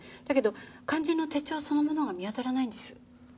だけど肝心の手帳そのものが見当たらないんです。